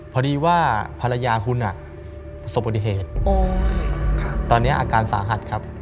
พอดีว่าภรรยาคุณสบปฏิเหตุตอนนี้อาการสาหัสครับ